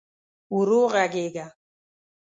ورو ږغېږه !